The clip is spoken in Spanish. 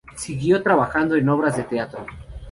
Siguió trabajando en obras de teatro.